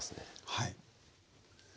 はい。